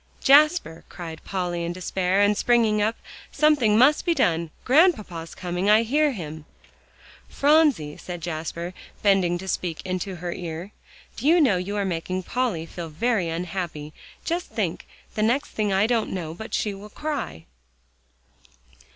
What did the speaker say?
"Jasper," cried Polly in despair, and springing up, "something must be done. Grandpapa's coming; I hear him." "Phronsie," said Jasper, bending to speak into her ear, "do you know you are making Polly feel very unhappy? Just think; the next thing I don't know but what she'll cry."